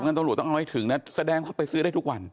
สิ่งที่กันต้องเอาให้ถึงนะซะแดงเขาไปซื้อได้ทุกวัน